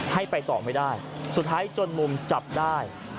ให้ไปต่อไม่ได้สุดท้ายจนมุมจับได้